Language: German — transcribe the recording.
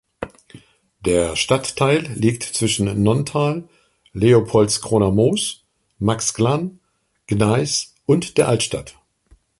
Der Stadtteil liegt zwischen Nonntal, Leopoldskroner Moos, Maxglan, Gneis und der Altstadt.